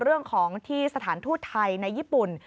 เรื่องของที่สถานทูตไทยในญี่ปุ่น